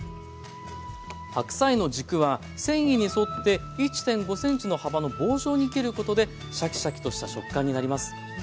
白菜の軸は繊維に沿って１．５ｃｍの幅の棒状に切ることでシャキシャキとした食感になります。